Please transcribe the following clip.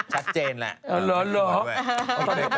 ชัดเจนแหละ